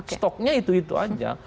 stoknya itu itu saja